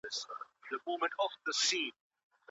د بامیان بتان واړه نه وو.